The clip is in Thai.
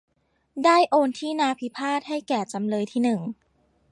ได้โอนที่นาพิพาทให้แก่จำเลยที่หนึ่ง